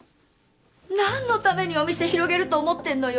何のためにお店広げると思ってんのよ！